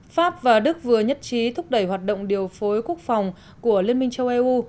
pháp và đức vừa nhất trí thúc đẩy hoạt động điều phối quốc phòng của liên minh châu âu